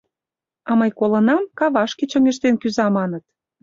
— А мый колынам: «Кавашке чоҥештен кӱза», — маныт.